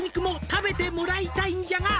「食べてもらいたいんじゃが」